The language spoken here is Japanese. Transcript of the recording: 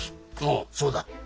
おうそうだ。